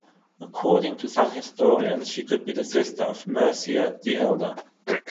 According to some historians she could be sister of Mircea the Elder.